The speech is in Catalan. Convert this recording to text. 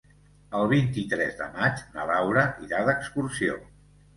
El vint-i-tres de maig na Laura irà d'excursió.